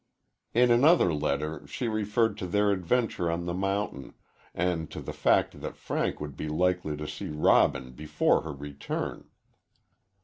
In another letter she referred to their adventure on the mountain, and to the fact that Frank would be likely to see Robin before her return.